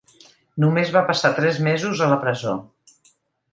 Només va passar tres mesos a la presó.